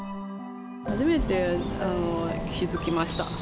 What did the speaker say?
初めて気付きました。